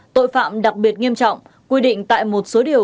tội phạm đặc biệt nghiêm trọng quy định tại một số điều